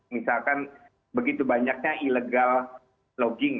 misalkan begitu banyaknya illegal logging